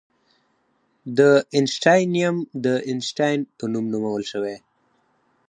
د اینشټاینیم د اینشټاین په نوم نومول شوی.